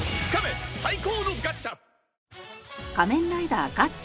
最高のガッチャ！